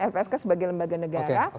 lpsk sebagai lembaga negara